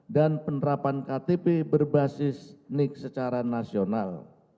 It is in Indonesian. dan penerapan ktp berbasis nik secara nasional